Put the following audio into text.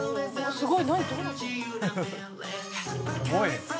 すごい」